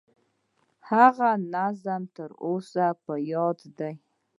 هغه نظم تر اوسه په یاد دي.